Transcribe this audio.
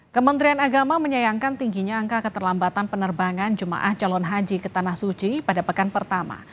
kementerian agama menyayangkan tingginya angka keterlambatan penerbangan jemaah calon haji ke tanah suci pada pekan pertama